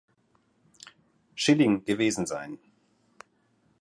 Schilling gewesen sein.